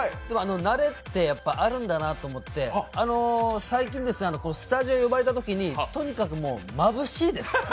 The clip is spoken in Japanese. でも、慣れってあるんだなと思って最近、スタジオに呼ばれたときにとにかくまぶしいです。